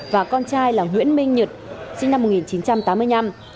và con trai là nguyễn minh nhật sinh năm một nghìn chín trăm tám mươi năm